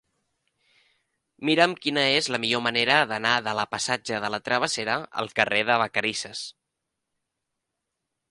Mira'm quina és la millor manera d'anar de la passatge de la Travessera al carrer de Vacarisses.